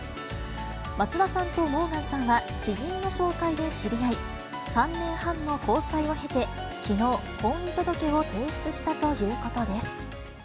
松田さんとモーガンさんは知人の紹介で知り合い、３年半の交際を経て、きのう、婚姻届を提出したということです。